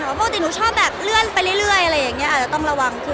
เพราะปกติหนูชอบแบบเลื่อนไปเรื่อยอะไรอย่างนี้อาจจะต้องระวังขึ้น